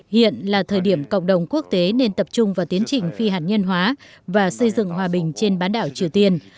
hiện là thời điểm cộng đồng quốc tế nên tập trung vào tiến trình phi hạt nhân hóa và xây dựng hòa bình trên bán đảo triều tiên